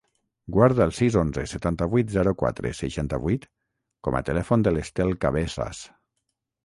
Guarda el sis, onze, setanta-vuit, zero, quatre, seixanta-vuit com a telèfon de l'Estel Cabezas.